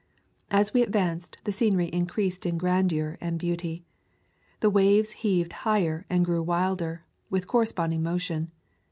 As we advanced the scenery increased in grandeur and beauty. The waves heaved higher and grew wider, with corresponding motion.